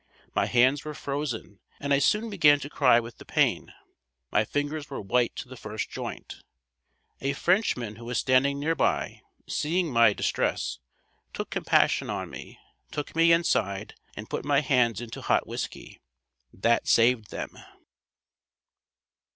My hands were frozen and I soon began to cry with the pain. My fingers were white to the first joint. A Frenchman who was standing near by, seeing my distress, took compassion on me, took me inside and put my hands into hot whiskey. That saved them.